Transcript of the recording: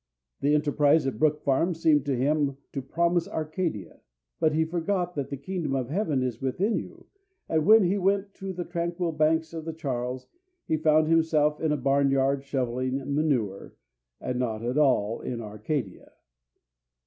The enterprise at Brook Farm seemed to him to promise Arcadia. But he forgot that the kingdom of heaven is within you, and when he went to the tranquil banks of the Charles he found himself in a barn yard shovelling manure, and not at all in Arcadia.